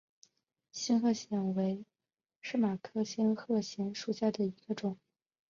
仙鹤藓为土马鬃科仙鹤藓属下的一个种。